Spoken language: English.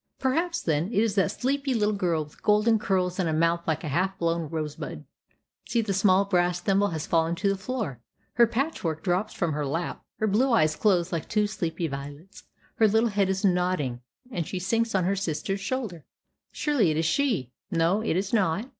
Perhaps, then, it is that sleepy little girl, with golden curls, and a mouth like a half blown rosebud. See, the small brass thimble has fallen to the floor, her patchwork drops from her lap, her blue eyes close like two sleepy violets, her little head is nodding, and she sinks on her sister's shoulder: surely it is she. No, it is not.